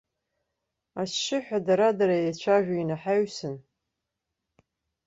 Ашьшьыҳәа дара-дара еицәажәо инаҳаҩсын.